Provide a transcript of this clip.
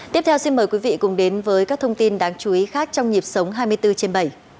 tiếp theo xin mời quý vị cùng đến với các thông tin đáng chú ý khác trong nhịp sống hai mươi bốn trên bảy